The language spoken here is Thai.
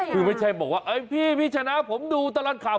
คือไม่ใช่บอกว่าพี่พี่ชนะผมดูตลอดข่าว